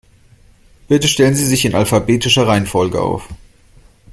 Bitte stellen Sie sich in alphabetischer Reihenfolge auf.